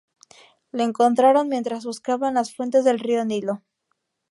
Lo encontraron mientras buscaban las fuentes del río Nilo.